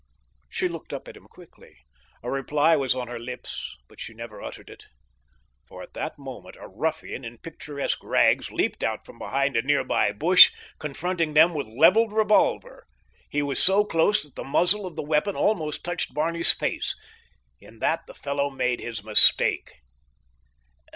She looked up at him quickly. A reply was on her lips, but she never uttered it, for at that moment a ruffian in picturesque rags leaped out from behind a near by bush, confronting them with leveled revolver. He was so close that the muzzle of the weapon almost touched Barney's face. In that the fellow made his mistake.